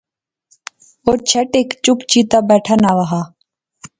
او چھٹ ہک چپ چپیتا بیٹھا ناں وہا